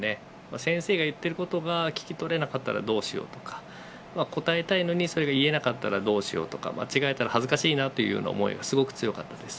先生が言っていることが聞き取れなかったらどうしようとか答えたいのにそれが言えなかったらどうしようとか間違えたら恥ずかしなという思いが強かったです。